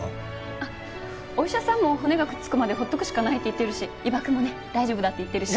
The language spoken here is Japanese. お医者さんも骨がくっつくまで放っておくしかないって言ってるし伊庭くんもね大丈夫だって言ってるし。